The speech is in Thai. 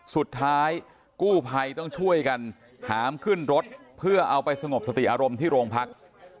สุดท้ายกู้ภัยต้องช่วยกันหามขึ้นรถเพื่อเอาไปสงบสติอารมณ์ที่โรงพัก